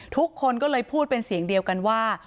ทุกคนก็เลยพูดเป็นเสียงเดียวกันว่า